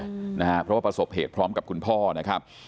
เพราะว่าประสบเหตุพร้อมกับคุณพ่อนะครับ